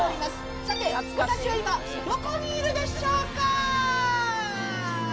さて私は今どこにいるでしょうか？